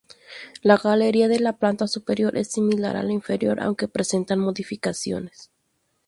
La galería de la planta superior es similar a la inferior aunque presenta modificaciones.